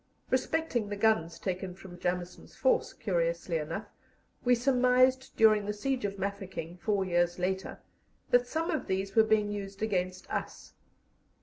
Respecting the guns taken from Jameson's force, curiously enough, we surmised during the siege of Mafeking, four years later, that some of these were being used against us.